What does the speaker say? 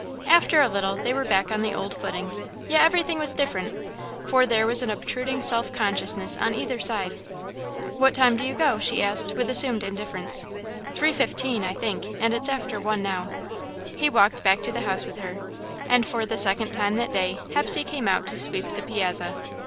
After a little, they were back on the old footing, yet everything was different, for there was an obtruding self consciousness on either side. "What time do you go?" she asked, with assumed indifference. "Three fifteen, I think, and it's after one now." He walked back to the house with her, and, for the second time that day, Hepsey came out to sweep the piazza.